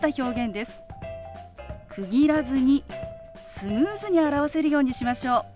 区切らずにスムーズに表せるようにしましょう。